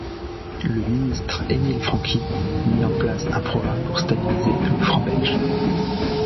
Le ministre Émile Francqui mit en place un programme pour stabiliser le franc belge.